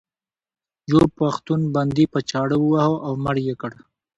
یو پښتون بندي په چاړه وواهه او مړ یې کړ.